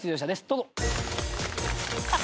どうぞ。